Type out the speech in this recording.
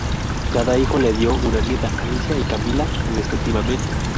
Cada hijo le dio una nieta: Alicia y Camila respectivamente.